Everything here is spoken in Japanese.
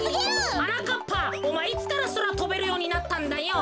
はなかっぱおまえいつからそらとべるようになったんだよ。